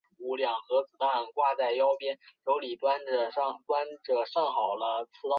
弗拉季斯拉夫二世更在此战中夺去莱茵费尔登的鲁道夫的金剑。